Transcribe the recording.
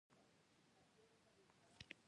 پنا ورکول د میړانې کار دی